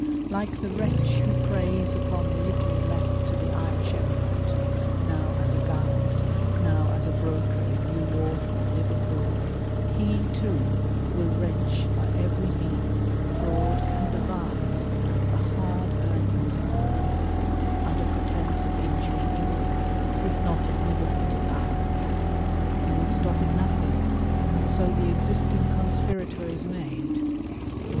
Like the wretch who preys upon the little left to the Irish emigrant, now as a guide, now as a broker in New York or Liverpool, he, too, will wrench by every means fraud can devise the hard earnings of the poor, under pretence of injuring England, if not of liberating Ireland. He will stop at nothing, and so the existing conspirator is made.